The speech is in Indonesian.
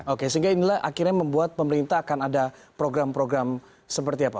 oke sehingga inilah akhirnya membuat pemerintah akan ada program program seperti apa